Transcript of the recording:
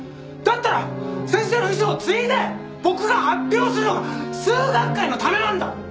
だったら先生の遺志を継いで僕が発表するのが数学界のためなんだ！